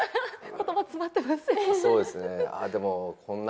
言葉詰まってません？